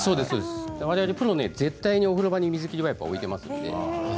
われわれプロは絶対にお風呂場に水切りワイパーを置いています。